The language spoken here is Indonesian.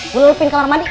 gua lelepin kamar mandi